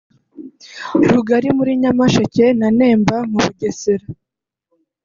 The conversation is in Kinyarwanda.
Rugari muri Nyamasheke na Nemba mu Bugesera